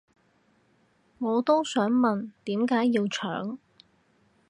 我都想問點解要搶